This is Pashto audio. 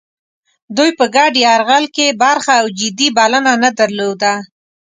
دوی په ګډ یرغل کې برخه او جدي بلنه نه درلوده.